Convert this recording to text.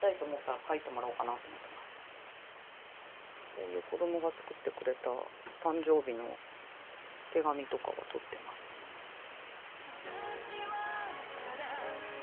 こういう子どもが作ってくれた誕生日の手紙とかはとってますよね。